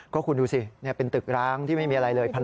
ก็คุณดูสิเป็นตึกร้างที่ไม่มีอะไรเลย